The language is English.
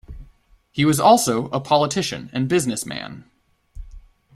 He was also a politician and businessman.